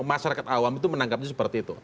masyarakat awam itu menangkapnya seperti itu